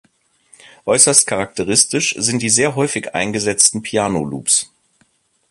Äußerst charakteristisch sind die sehr häufig eingesetzten Piano-Loops.